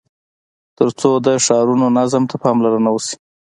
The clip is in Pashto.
تر څو د ښارونو نظم ته پاملرنه وسي.